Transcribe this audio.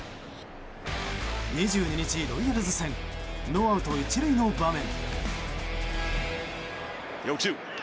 ２２日、ロイヤルズ戦ノーアウト１塁の場面。